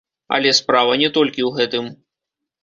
Але справа не толькі ў гэтым.